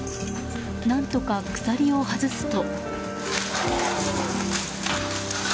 何とか鎖を外すと。